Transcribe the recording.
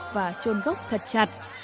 và trôn gốc thật chặt